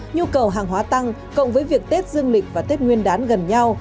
nhu cầu hàng hóa tăng cộng với việc tết dương lịch và tết nguyên đán gần nhau